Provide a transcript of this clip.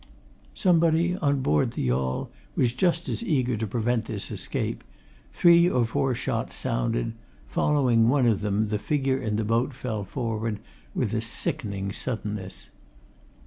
Somebody on board the yawl was just as eager to prevent this escape; three or four shots sounded following one of them, the figure in the boat fell forward with a sickening suddenness.